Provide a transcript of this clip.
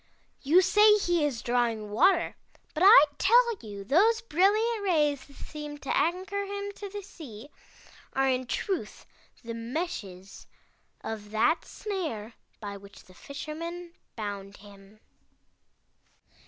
You say he is drawing water, but I tell you those brilliant rays that seem to anchor him to the sea, are in truth the meshes of that snare by which the Fisherman bound him."